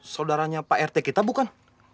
saudaranya pak rt kita bukan